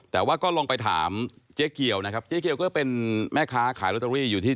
แต่ว่าก็ลองไปถามเจ๊เกียวนะครับเจ๊เกียวก็เป็นแม่ค้าขายลอตเตอรี่อยู่ที่